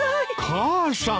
母さん！